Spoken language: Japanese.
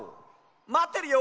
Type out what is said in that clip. まってるよ！